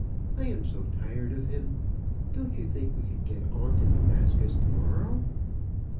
I am so tired of him. Don't you think we could get on to Damascus to morrow?"